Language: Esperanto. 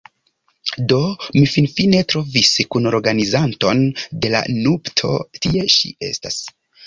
Do, mi finfine trovis kunorganizanton de la nupto tie ŝi estas